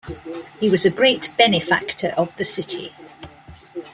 He was a great benefactor of the City.